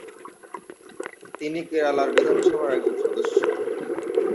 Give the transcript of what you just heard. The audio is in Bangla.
তিনি কেরালা বিধানসভার একজন সদস্য।